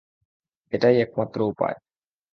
এটাই একমাত্র উপায়।